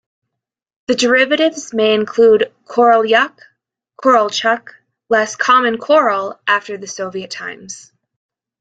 The derivatives may include Korolyuk, Korolchuk, less common Korol after the Soviet times.